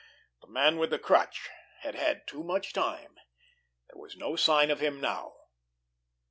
The Man with the Crutch had had too much time. There was no sign of him now.